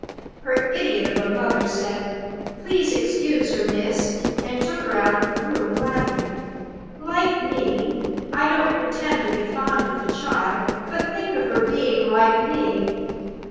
Her idiot of a mother said, 'Please to excuse her, miss,' and took her out of the room, laughing. Like me! I don't pretend to be fond of the child; but think of her being like me!"